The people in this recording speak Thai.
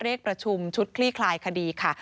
เรียกประชุมชุดคลี่คลายคดีค่ะ